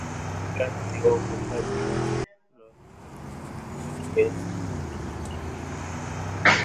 wakati wa ukopaji wa nomino hiyo katika lugha ya Kigiryama